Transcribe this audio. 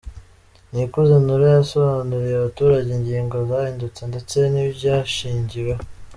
Nikuze Nura, yasobanuriye abaturage ingingo zahindutse ndetse n’ibyashingiweho.